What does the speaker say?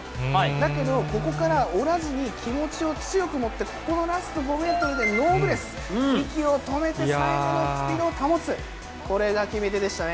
だけど、ここから折らずに気持ちを強く持って、このラスト５メートルでノーブレス、息を止めて最後のスピードを保つ、これが決め手でしたね。